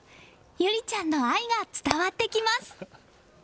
侑里ちゃんの愛が伝わってきます。